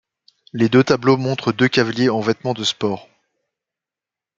Les deux tableaux montrent deux cavaliers en vêtements de sport.